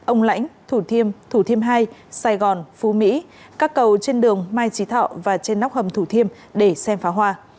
ông lãnh thủ thiêm thủ thiêm hai sài gòn phú mỹ các cầu trên đường mai trí thọ và trên nóc hầm thủ thiêm để xem phá hoa